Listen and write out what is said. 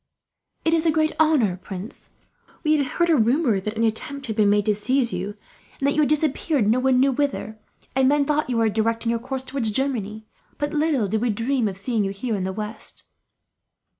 "It is a great honour, prince. We had heard a rumour that an attempt had been made to seize you; and that you had disappeared, no one knew whither, and men thought that you were directing your course towards Germany; but little did we dream of seeing you here, in the west."